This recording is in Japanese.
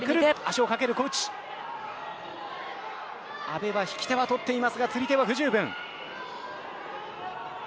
阿部は引き手は取っていますが釣り手は不十分。